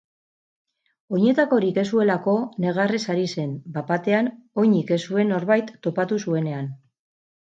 Oinetakorik ez zuelako negarrez ari zen, bapatean oinik ez zuen norbait topatu zuenean.